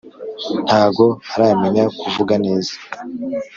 Ntago aramenya kuvuga neza